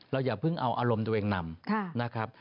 เราอย่าเพิ่งเอาอารมณ์ตัวเองนำ